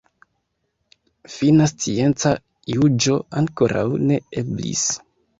Fina scienca juĝo ankoraŭ ne eblis.